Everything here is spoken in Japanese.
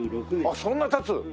あっそんなに経つ？